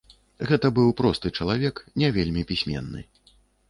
Гэта быў просты чалавек, не вельмі пісьменны.